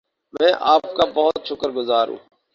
میں آپ کا بہت شکر گزار ہوں